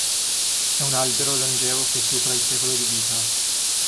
È un albero longevo che supera il secolo di vita.